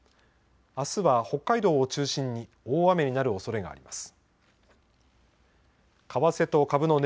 あすは北海道を中心に大雨になるおそれがあります。